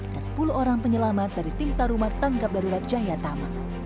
dan sepuluh orang penyelamat dari tingkat rumah tangkap darurat jaya taman